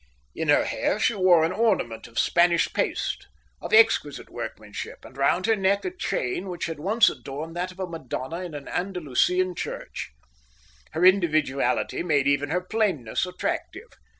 In her hair she wore an ornament of Spanish paste, of exquisite workmanship, and round her neck a chain which had once adorned that of a madonna in an Andalusian church. Her individuality made even her plainness attractive.